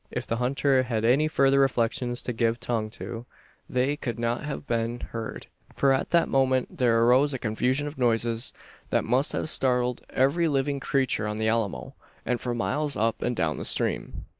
If the hunter had any further reflections to give tongue to, they could not have been heard: for at that moment there arose a confusion of noises that must have startled every living creature on the Alamo, and for miles up and down the stream.